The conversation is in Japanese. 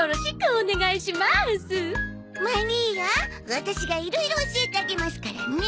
ワタシがいろいろ教えてあげますからね。